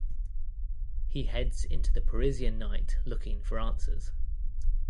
He heads into the Parisian night looking for answers.